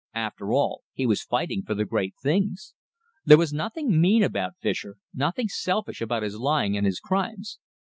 After all, he was fighting for the great things. There was nothing mean about Fischer, nothing selfish about his lying and his crimes.